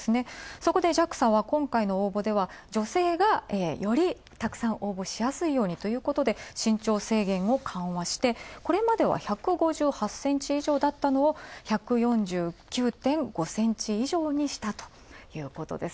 そこでＪＡＸＡは、今回の応募では、女性が、よりたくさん応募しやすいようにということで、身長制限を緩和して、これまでは１５８センチ以上だったのを１４９．５センチ以上にしたということです。